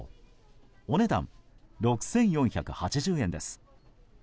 お値段、６４８０円です。